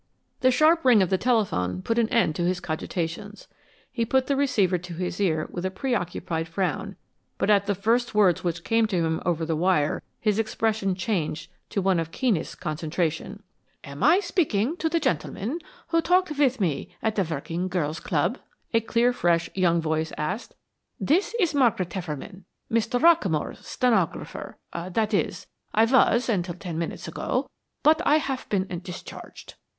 The sharp ring of the telephone put an end to his cogitations. He put the receiver to his ear with a preoccupied frown, but at the first words which came to him over the wire his expression changed to one of keenest concentration. "Am I speaking to the gentleman who talked with me at the working girls' club?" a clear, fresh young voice asked. "This is Margaret Hefferman, Mr. Rockamore's stenographer that is, I was until ten minutes ago, but I have been discharged."